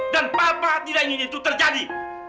dan bapak tidak ingin itu terjadi